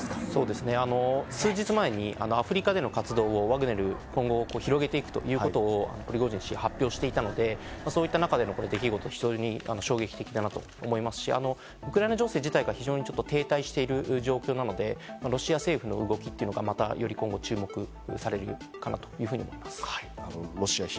数日前にアフリカでの活動をワグネル、今後、広げていくということを発表していたので、そういった中での出来事、非常に衝撃的だなと思いますし、ウクライナ情勢自体がちょっと停滞している状況なので、ロシア政府の動きというのが、より今後、注目されるかなというふうに思います。